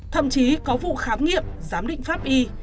thậm chí có vụ khám nghiệm giám định pháp y